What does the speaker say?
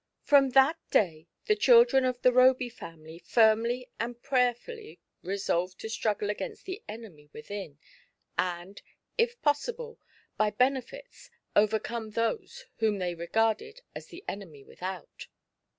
^nIROM that day the children of the Roby family ^ firmly and prayerfully resolved to struggle against the enemy within, and, if possible, by benefits overcome those whom they regarded as the enemy without.